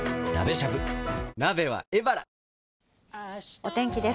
お天気です。